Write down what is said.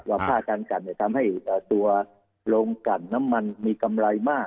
ผ้ากันกันทำให้ตัวโรงกันน้ำมันมีกำไรมาก